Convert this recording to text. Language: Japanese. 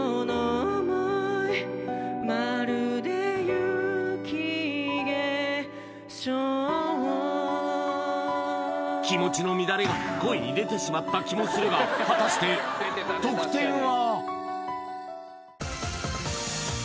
これ気持ちの乱れが声に出てしまった気もするが果たして得点は？